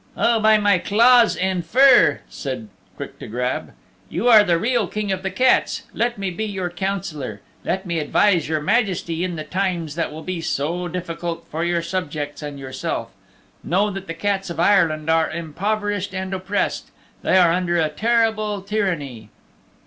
"Oh, by my claws and fur," said Quick to Grab, "you are the real King of the Cats. Let me be your Councillor. Let me advise your Majesty in the times that will be so difficult for your subjects and yourself. Know that the Cats of Ireland are impoverished and oppressed. They are under a terrible tyranny."